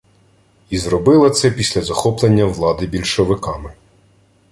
І зробила це після захоплення влади більшовиками